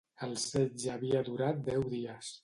El setge havia durat deu dies.